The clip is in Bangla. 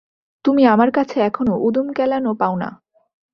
তুমি আমার কাছে এখনও উদুম কেলানো পাওনা।